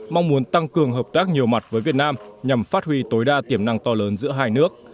mong muốn tăng cường hợp tác nhiều mặt với việt nam nhằm phát huy tối đa tiềm năng to lớn giữa hai nước